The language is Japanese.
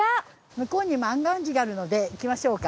向こうに万願寺があるので行きましょうか。